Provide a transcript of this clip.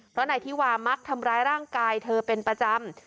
เพราะนายธิวามักทำร้ายร่างกายเธอเป็นประจำ